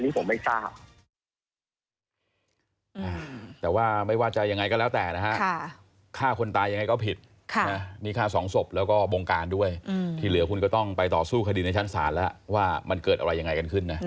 ต้องไปถามคุณแม่เขาว่าเงินใครอันนี้ผมไม่ทราบ